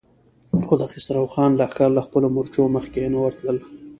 خو د خسرو خان لښکر له خپلو مورچو مخکې نه ورتلل.